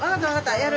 やる。